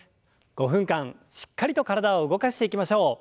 ５分間しっかりと体を動かしていきましょう。